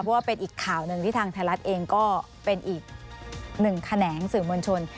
เพราะว่าเป็นอีกข่าวหนึ่งที่ทางไทยรัฐเองก็เป็นอีกหนึ่งแขนงสื่อมวลชน